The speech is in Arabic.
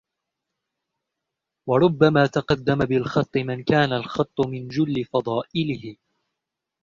وَرُبَّمَا تَقَدَّمَ بِالْخَطِّ مَنْ كَانَ الْخَطُّ مِنْ جُلِّ فَضَائِلِهِ